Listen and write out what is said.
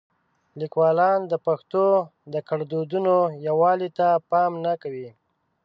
لیکوالان د پښتو د ګړدودونو یووالي ته پام نه کوي.